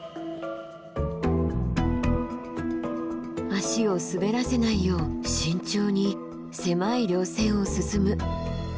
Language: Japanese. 足を滑らせないよう慎重に狭い稜線を進む。